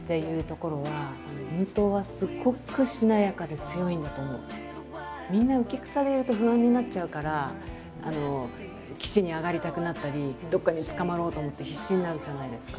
でもみんな浮き草でいると不安になっちゃうから岸に上がりたくなったりどっかにつかまろうと思って必死になるじゃないですか。